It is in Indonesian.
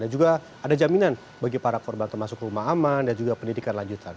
dan juga ada jaminan bagi para korban termasuk rumah aman dan juga pendidikan lanjutan